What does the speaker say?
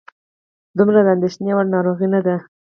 دومره د اندېښنې وړ ناروغي نه ده.